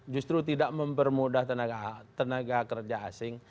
justru tidak mempermudah tenaga kerja asing